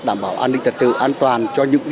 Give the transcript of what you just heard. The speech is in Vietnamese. đảm bảo an ninh trật tự an toàn cho những